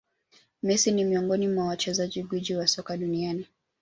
Messi ni miongoni mwa wachezaji gwiji wa soka duniani